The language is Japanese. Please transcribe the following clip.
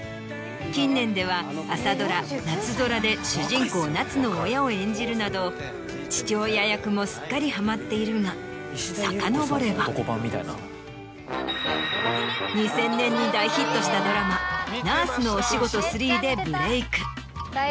近年では朝ドラ『なつぞら』で主人公なつの親を演じるなど父親役もすっかりはまっているがさかのぼれば２０００年に大ヒットしたドラマ『ナースのお仕事３』でブレイク。